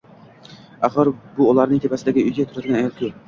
Axir, bu ularning tepasidagi uyda turadigan ayol-ku